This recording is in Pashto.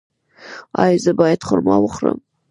ایا زه باید خرما وخورم؟